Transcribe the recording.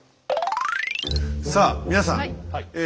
さあ皆さんえ